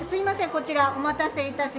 こちらお待たせ致しました。